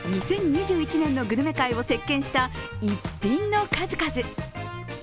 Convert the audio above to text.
２０２１年のグルメ界を席けんした逸品の数々。